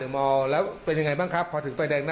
มึงไม่ขอตังค่าข้าวมาด้วยวะ